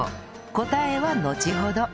答えはのちほど